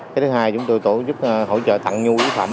cái thứ hai chúng tôi tổ chức hỗ trợ tặng nhu yếu phẩm